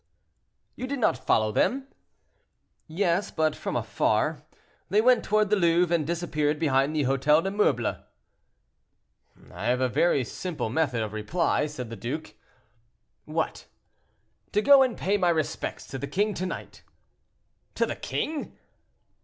"You did not follow them?" "Yes, but from afar. They went toward the Louvre, and disappeared behind the Hotel des Meubles." "I have a very simple method of reply," said the duke. "What?" "To go and pay my respects to the king to night." "To the king?"